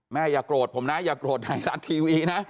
อย่าโกรธผมนะอย่าโกรธไทยรัฐทีวีนะ